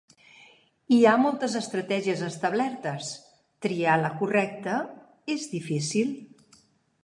Hi ha moltes estratègies establertes, triar la correcta és difícil.